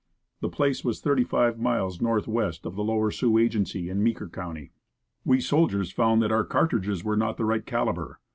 The place was thirty five miles northwest of the Lower Sioux agency, in Meeker county. We soldiers found that our cartridges were not the right calibre.